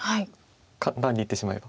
簡単に言ってしまえば。